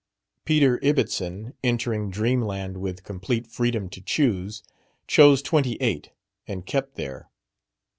Peter Ibbetson, entering dreamland with complete freedom to choose, chose twenty eight, and kept there.